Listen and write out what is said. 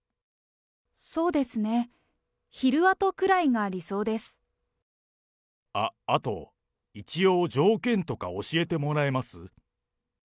そうですね、あっ、あと、一応条件とか教えてもらえます？